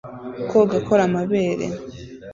Koga akora amabere